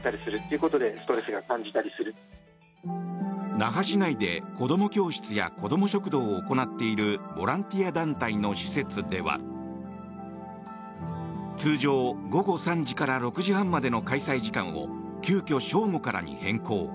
那覇市内で子ども教室や子ども食堂を行っているボランティア団体の施設では通常、午後３時から６時半までの開催時間を急きょ、正午からに変更。